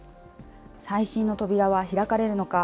再審の扉は開かれるのか。